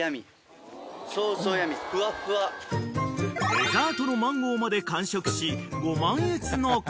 ［デザートのマンゴーまで完食しご満悦の海人］